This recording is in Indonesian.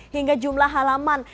hingga jumlah halaman